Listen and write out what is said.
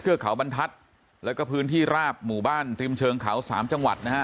เขาบรรทัศน์แล้วก็พื้นที่ราบหมู่บ้านริมเชิงเขาสามจังหวัดนะฮะ